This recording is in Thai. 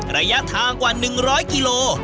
ระยะทางกว่า๑๐๐กิโล